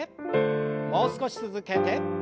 もう少し続けて。